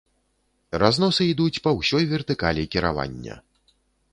Разносы ідуць па ўсёй вертыкалі кіравання.